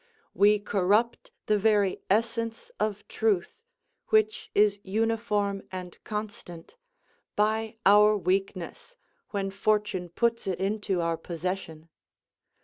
We corrupt the very essence of truth, which is uniform and constant, by our weakness, when fortune puts it into our possession.